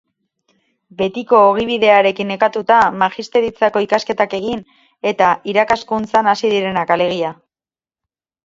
Betiko ogibidearekin nekatuta, magisteritzako ikasketak egin eta irakaskuntzan hasi direnak, alegia.